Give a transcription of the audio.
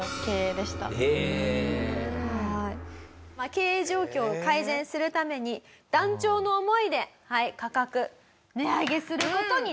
経営状況を改善するために断腸の思いで価格値上げする事になりました。